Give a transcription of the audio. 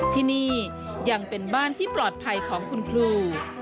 ที่นี่ยังเป็นบ้านที่ปลอดภัยของคุณครู